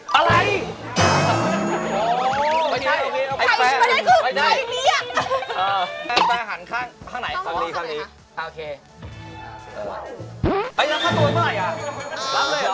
พี่วินิคมาแบบต่อไป